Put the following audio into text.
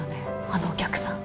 あのお客さん。